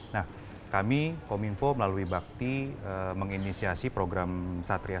nah kami kominfo melalui bakti menginisiasi program satria